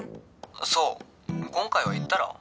☎そう今回は行ったら？